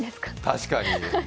確かに。